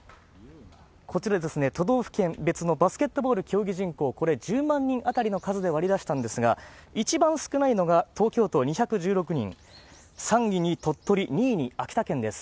こちらですね、都道府県別のバスケットボール競技人口、これ、１０万人当たりの数で割り出したんですが、一番少ないのが東京都２１６人、３位に鳥取、２位に秋田県です。